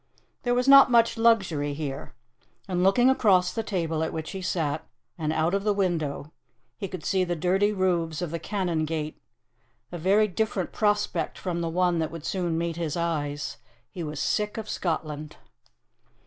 There was not much luxury here; and looking across the table at which he sat and out of the window, he could see the dirty roofs of the Canongate a very different prospect from the one that would soon meet his eyes. He was sick of Scotland.